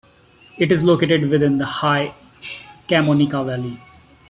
It is located within the high Camonica Valley.